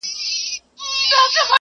د برلين د کاوه جريدې له مقالو